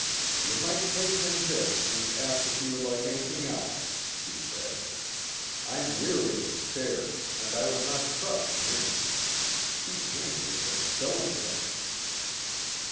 "Ye might take him this and ask if he would like anything else," she said. "I'm weary of the stairs and I would not trust Minnie. She's handiest at spilling things."